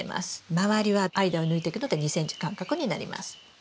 周りは間を抜いてくので２ｃｍ間隔になります。